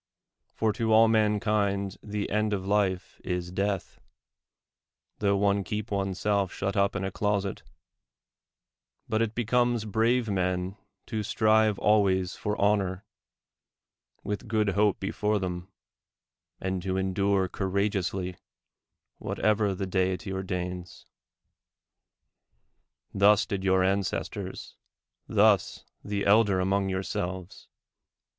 For to all mankind the end of life is death, tho one keep one's self shut up in a closet ; but it becomes brave men to strive always for honor, with good hope before them, and to endure courageously whatever the Deity ordains. Thus did your ancestors, thus the elder among yourselves.